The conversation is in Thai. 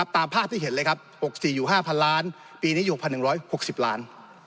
ตามภาพที่เห็นเลยครับ๖๔อยู่๕๐๐ล้านปีนี้อยู่๑๑๖๐ล้าน